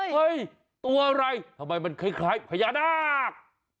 เฮ้ยตัวอะไรทำไมมันคล้ายพญานาค